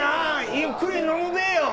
ゆっくり飲むべよ。